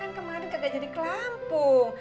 kan kemarin kagak jadi ke lampung